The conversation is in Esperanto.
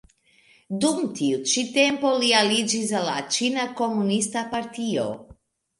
Dum tiu ĉi tempo li aliĝis al la Ĉina Komunista Partio.